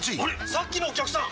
さっきのお客さん！